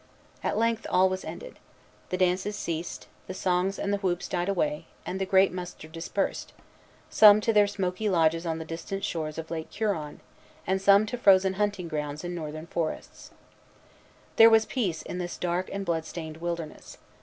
At length all was ended. The dances ceased, the songs and the whoops died away, and the great muster dispersed, some to their smoky lodges on the distant shores of Lake Huron, and some to frozen hunting grounds in northern forests. Vimont, Relation, 1645, 34. There was peace in this dark and blood stained wilderness.